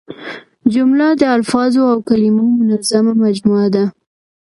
جمله د الفاظو او کلیمو منظمه مجموعه ده.